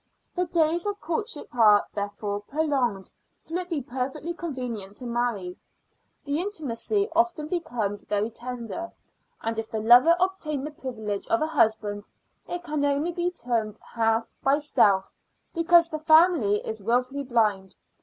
The days of courtship are, therefore, prolonged till it be perfectly convenient to marry: the intimacy often becomes very tender; and if the lover obtain the privilege of a husband, it can only be termed half by stealth, because the family is wilfully blind.